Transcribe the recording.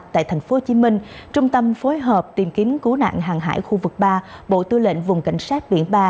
tại thành phố hồ chí minh trung tâm phối hợp tìm kiếm cứu nạn hàng hải khu vực ba bộ tư lệnh vùng cảnh sát biển ba